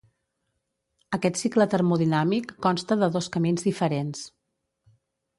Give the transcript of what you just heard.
Aquest cicle termodinàmic consta de dos camins diferents.